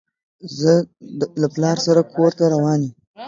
زه له پلار سره کور ته روان يم.